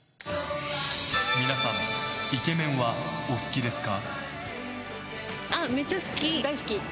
皆さんイケメンはお好きですか？